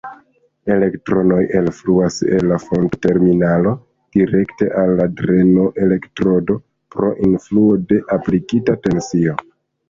Elektronoj elfluas el la fonto-terminalo direkte al la dreno-elektrodo pro influo de aplikita tensio.